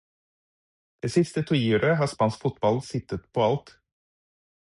Det siste tiåret har spansk fotball sittet på alt.